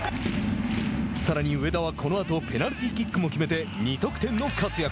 さらに上田はこのあとペナルティーキックも決めて２得点の活躍。